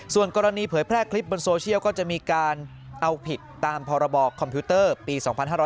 ส่วนกรณีเผยแพร่คลิปบนโซเชียลก็จะมีการเอาผิดตามพรบคอมพิวเตอร์ปี๒๕๕๙